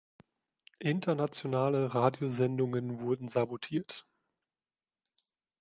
Internationale Radiosendungen wurden sabotiert.